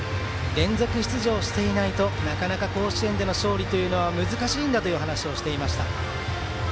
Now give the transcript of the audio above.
連続出場していないとなかなか甲子園での勝利は難しいんだと話をしていました。